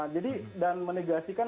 jadi dan menegasikan